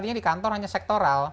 artinya di kantor hanya sektoral